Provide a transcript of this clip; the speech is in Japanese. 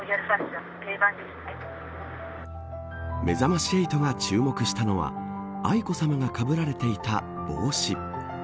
めざまし８が注目したのは愛子さまがかぶられていた帽子。